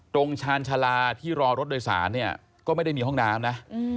ชาญชาลาที่รอรถโดยสารเนี่ยก็ไม่ได้มีห้องน้ำนะ